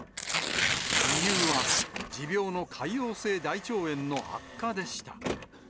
理由は持病の潰瘍性大腸炎の悪化でした。